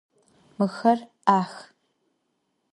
Mıxer 'ex.